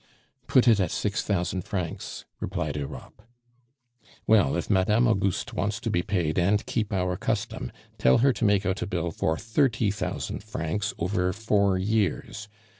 "Put it at six thousand francs," replied Europe. "Well, if Madame Auguste wants to be paid and keep our custom, tell her to make out a bill for thirty thousand francs over four years.